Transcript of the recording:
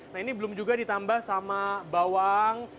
nah ini belum juga ditambah sama bawang